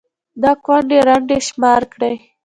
دا كونـډې رنـډې شمار كړئ